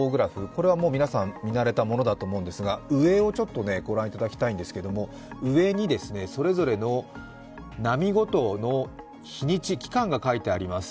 これはもう皆さん、見慣れたものだと思うんですが上をご覧いただきたいんですが上にそれぞれの波ごとの日にち、期間が書いてあります。